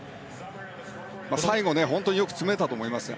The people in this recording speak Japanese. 最後、よく詰めたと思います。